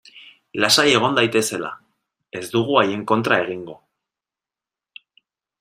Lasai egon daitezela, ez dugu haien kontra egingo.